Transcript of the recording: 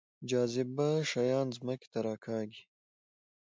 جاذبه شیان ځمکې ته راکاږي